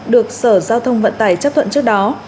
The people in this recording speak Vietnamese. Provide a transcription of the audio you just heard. được sở giao thông vận tải chấp thuận trước đó